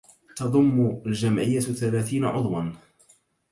تضم الجمعية ثلاثين عضواً.